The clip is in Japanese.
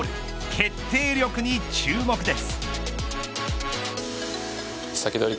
決定力に注目です。